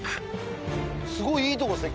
すごいいいとこっすね。